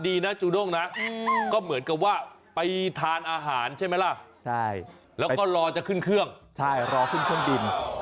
ดีนะจูด้งนะก็เหมือนกับว่าไปทานอาหารใช่ไหมล่ะแล้วก็รอจะขึ้นเครื่องรอขึ้นเครื่องบิน